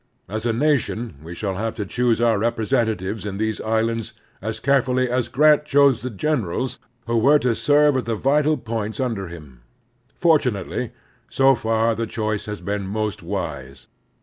As a nation we shall have to choose our representatives in these islands as carefully as Grant chose the generals who were to serve at the vital points under him. Fortimately, so far the choice has been most wise.